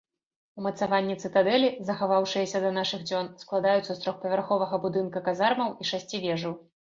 Умацаванні цытадэлі, захаваўшыяся да нашых дзён, складаюцца з трохпавярховага будынка казармаў і шасці вежаў.